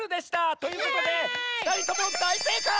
ということでふたりともだいせいかい！